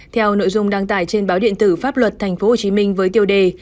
theo nội dung đăng tải trên báo điện tử pháp luật tp hcm với tiêu đề